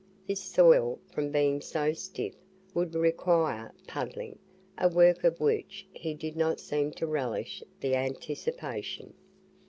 This soil, from being so stiff, would require "puddling," a work of which he did not seem to relish the anticipation.